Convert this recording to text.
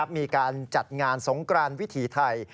มีการจัดงานสงกรานวิถีไทย